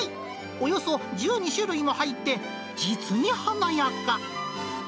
およそ１２種類も入って実に華やか。